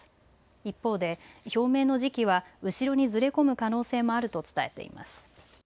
一方で表明の時期は後ろにずれ込む可能性もあると伝えています。